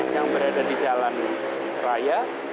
yang berada di jalan raya